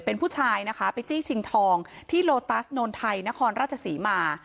เป็นผู้ชายนะคะไปจี้ชิงทองที่โลตัสโนนไทยนครราชศรีมา